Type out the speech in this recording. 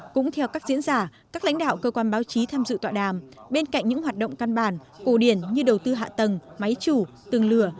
cũng theo các diễn giả các lãnh đạo cơ quan báo chí tham dự tọa đàm bên cạnh những hoạt động căn bản cổ điển như đầu tư hạ tầng máy chủ từng lửa